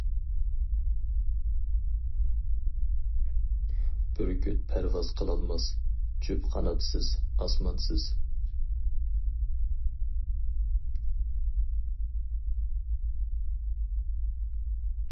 بۈركۈت پەرۋاز قىلالماس، جۈپ قاناتسىز، ئاسمانسىز.